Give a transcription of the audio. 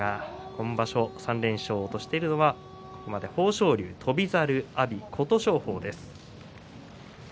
今場所は３連勝としているのは豊昇龍と翔猿阿炎、琴勝峰です。